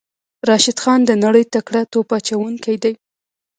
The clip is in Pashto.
راشد خان د نړۍ تکړه توپ اچوونکی دی.